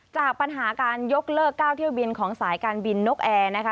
จากปัญหาการยกเลิก๙เที่ยวบินของสายการบินนกแอร์นะคะ